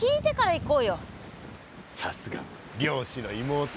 さすが漁師の妹。